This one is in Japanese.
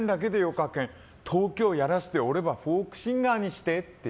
かけん東京やらして俺ばフォークシンガーにしてって。